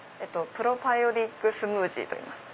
プロバイオティックスムージーといいます。